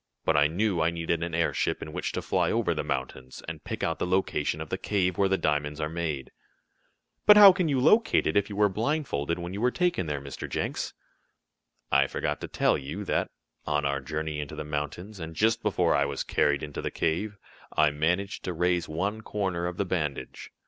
But I knew I needed an airship in which to fly over the mountains, and pick out the location of the cave where the diamonds are made." "But how can you locate it, if you were blindfolded when you were taken there, Mr. Jenks?" "I forgot to tell you that, on our journey into the mountains, and just before I was carried into the cave, I managed to raise one corner of the bandage.